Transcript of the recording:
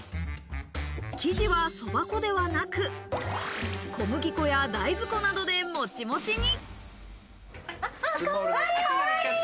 生地は蕎麦粉ではなく、小麦粉や大豆粉などでモチモチに。